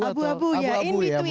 abu abu ya in between ya betul